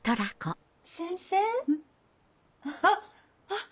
あっ！